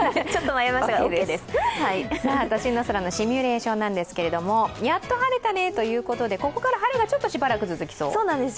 都心の空のシミュレーションなんですけれども、やっと晴れたねということでここから晴れがちょっと続きそう。